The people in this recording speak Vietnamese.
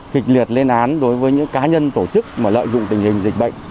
kịch liệt lên án đối với những cá nhân tổ chức mà lợi dụng tình hình dịch bệnh